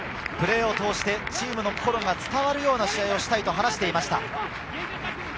プレーを通してチームの心が伝わるような試合をしたいと話していました。